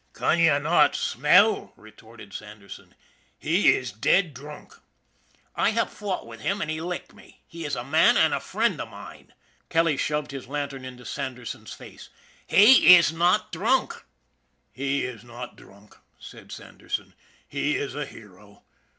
" Can ye not smell ?" retorted Sanderson. " He is dead drunk !"" I have fought with him and he licked me. He is a man and a friend of mine " Kelly shoved his lantern into Sanderson's face. . ff He is not drunk." " He is not drunk," said Sanderson. " He is a hero.